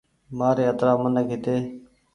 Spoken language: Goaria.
مآري اَترآ منک هيتي